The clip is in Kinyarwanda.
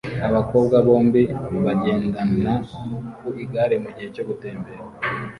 Abakobwa bombi bagendana ku igare mugihe cyo gutembera